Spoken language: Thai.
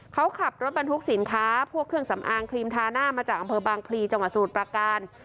เขาขับรถบรรทุกสินค้าพวกเครื่องสำอางครีมทาหน้ามาจากอำเภอบางพลีจังหวัดสมุทรประการ